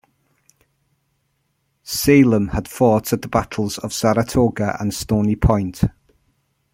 Salem had fought at the battles of Saratoga and Stony Point.